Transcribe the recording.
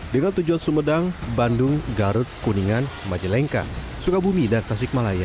dengan tujuan sumedang bandung garut kuningan majalengka sukabumi dan tasikmalaya